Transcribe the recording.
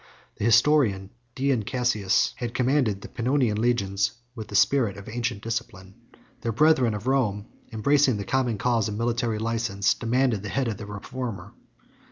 The historian Dion Cassius had commanded the Pannonian legions with the spirit of ancient discipline. Their brethren of Rome, embracing the common cause of military license, demanded the head of the reformer.